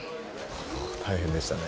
大変でしたね。